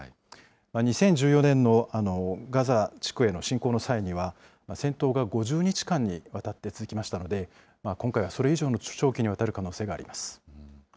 ２０１４年のガザ地区への侵攻の際には、戦闘が５０日間にわたって続きましたので、今回はそれ以上の長期にわたる可能性があります。